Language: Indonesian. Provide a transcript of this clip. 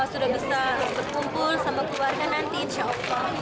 sudah bisa berkumpul sama keluarga nanti insya allah